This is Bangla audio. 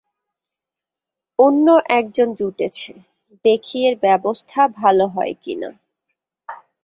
অন্য একজন জুটেছে, দেখি এর ব্যবস্থা ভাল হয় কি না।